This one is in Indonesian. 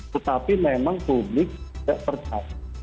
tetapi memang publik tidak percaya